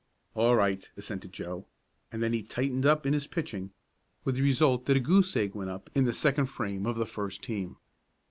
"All right," assented Joe, and then he "tightened up," in his pitching, with the result that a goose egg went up in the second frame of the first team.